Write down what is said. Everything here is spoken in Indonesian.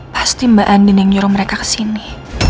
pasti mbak andi yang nyuruh mereka kesini